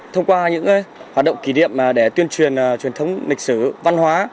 thông qua những hoạt động kỷ niệm để tuyên truyền truyền thống lịch sử văn hóa